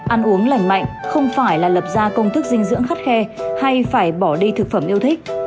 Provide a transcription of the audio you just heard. ăn uống lành mạnh không phải là lập ra công thức dinh dưỡng khắt khe hay phải bỏ đi thực phẩm yêu thích